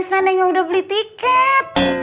kasian fans neneng yang udah beli tiket